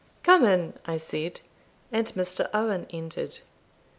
"Come in," I said, and Mr. Owen entered.